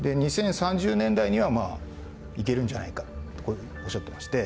で２０３０年代にはまあ行けるんじゃないかとこういうふうにおっしゃってまして。